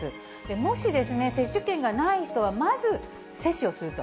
もし、接種券がない人はまず接種をすると。